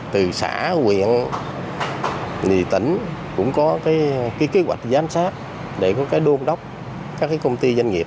từ xã huyện tỉnh cũng có kế hoạch giám sát để có cái đôn đốc các công ty doanh nghiệp